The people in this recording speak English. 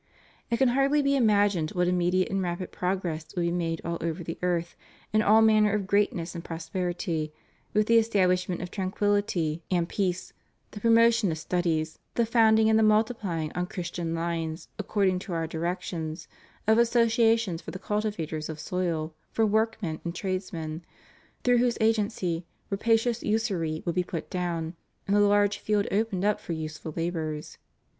It can hardly be imagined what immediate and rapid progress would be made all over the earth, in all manner of greatness and prosperity, wdth the establishment of tranquilhty and 318 THE REUNION OF CHRISTENDOM. peace, the promotion of studies, the founding and the multiplying on Christian lines according to Our directions, of associations for the cultivators of soil, for workmen and tradesmen, through whose agency rapacious usury would be put down, and a large field opened up for useful labors.